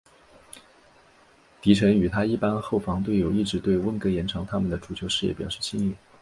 迪臣与他一班后防队友一直对温格延长他们的足球事业表示敬意。